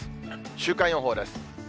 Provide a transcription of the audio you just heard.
週間予報です。